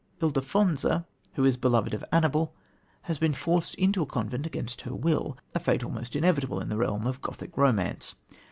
Ildefonsa, who is beloved of Annibal, has been forced into a convent against her will a fate almost inevitable in the realm of Gothic romance.